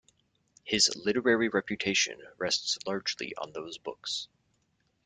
His literary reputation rests largely on those books.